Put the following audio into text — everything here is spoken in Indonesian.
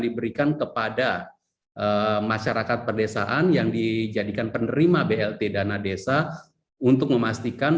diberikan kepada masyarakat perdesaan yang dijadikan penerima blt dana desa untuk memastikan